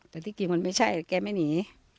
แต่ที่จริงมันไม่ใช่แกไม่หนี